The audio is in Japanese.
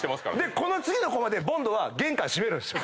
この次のこまでボンドは玄関閉めるんですよ。